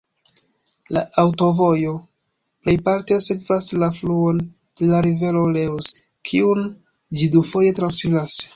La aŭtovojo plejparte sekvas la fluon de la rivero Reuss, kiun ĝi dufoje transiras.